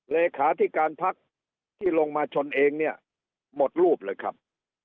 เลขาธิการพักที่ลงมาชนเองเนี่ยหมดรูปเลยครับ